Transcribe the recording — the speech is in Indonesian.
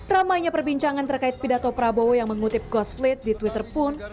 ramainya perbincangan terkait pidato prabowo yang mengutip ghost fleet di twitter pun